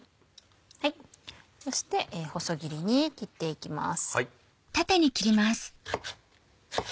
そして細切りに切っていきます。